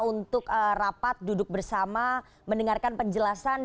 untuk rapat duduk bersama mendengarkan penjelasan